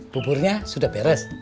buburnya sudah beres